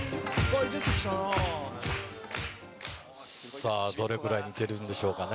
さぁどれぐらい似てるんでしょうかね。